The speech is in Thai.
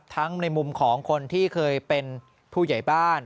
ในมุมของคนที่เคยเป็นผู้ใหญ่บ้าน